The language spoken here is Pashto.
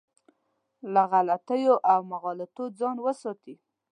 له غلطیو او مغالطو ځان وساتي.